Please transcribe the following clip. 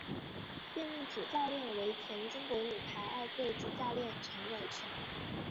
现任主教练为前中国女排二队主教练陈友泉。